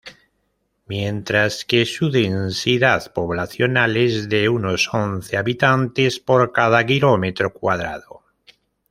Mientras que su densidad poblacional es de unos once habitantes por cada kilómetro cuadrado.